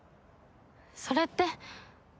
それって。